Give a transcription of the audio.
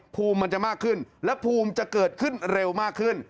ภูมิมันจะมากขึ้นและภูมิจะเกิดขึ้นเร็วมากขึ้น